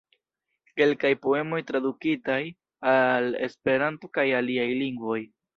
Kelkaj poemoj tradukitaj al Esperanto kaj aliaj lingvoj.